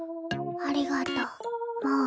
ありがとう。